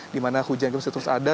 dimana hujan masih terus ada